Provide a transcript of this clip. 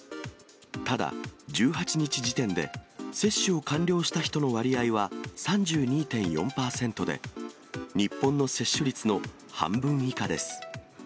ただ、１８日時点で、接種を完了した人の割合は３２．４％で、日本の接種率の半分以下です。